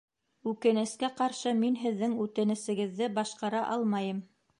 Үкенескә ҡаршы, мин һеҙҙең үтенесегеҙҙе башҡара алмайым